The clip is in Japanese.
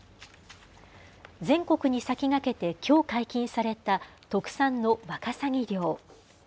全国に先駆けてきょう解禁された特産のワカサギ漁。